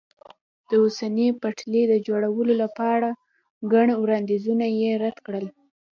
د اوسپنې پټلۍ د جوړولو لپاره ګڼ وړاندیزونه یې رد کړل.